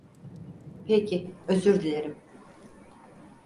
Peki, özür dilerim.